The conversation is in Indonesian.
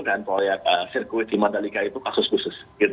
dan proyek sirkuit di mandalika itu kasus khusus